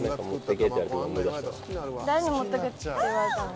誰に持ってけって言われたの？